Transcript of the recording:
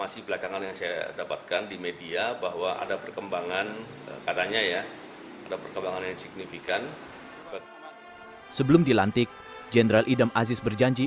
sebelum dilantik jenderal idam aziz berjanji